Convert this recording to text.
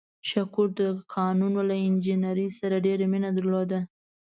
شکور د کانونو له انجنیرۍ سره ډېره مینه درلوده.